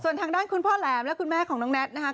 ส่วนทางด้านคุณพ่อแหลมและคุณแม่ของน้องแน็ตนะคะ